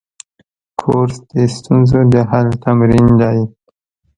کورس د ستونزو د حل تمرین دی.